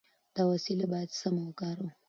دا وسیله باید سمه وکاروو.